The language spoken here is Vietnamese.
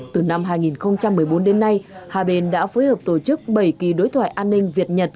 từ năm hai nghìn một mươi bốn đến nay hai bên đã phối hợp tổ chức bảy kỳ đối thoại an ninh việt nhật